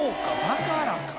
だからか。